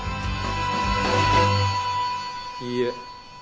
いいえ